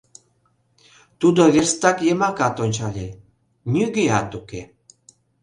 Тудо верстак йымакат ончале — нигӧат уке...